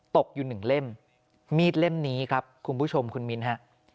ตกอยู่หนึ่งเล่มมีดเล่มนี้ครับคุณผู้ชมคุณมิ้นฮะ